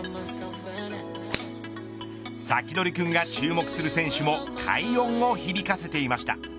サキドリくんが注目する選手も快音を響かせていました。